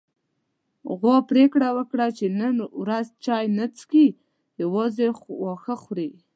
غوا پرېکړه وکړه چې نن ورځ چای نه څښي، يوازې واښه خوري.